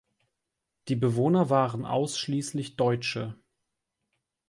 Die Bewohner waren ausschließlich Deutsche.